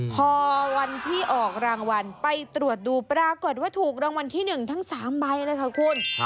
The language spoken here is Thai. พอวันที่ออกรางวัลไปตรวจดูปรากฏว่าถูกรางวัลที่๑ทั้ง๓ใบเลยค่ะคุณ